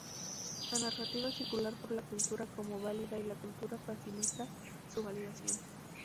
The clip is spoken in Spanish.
La narrativa circula por la cultura como válida y la cultura facilita su validación.